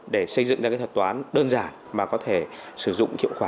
để xây dựng ra cái thuật toán đơn giản mà có thể sử dụng hiệu quả